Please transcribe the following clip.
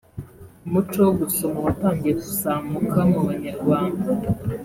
umuco wo gusoma watangiye kuzamuka mu Banyarwanda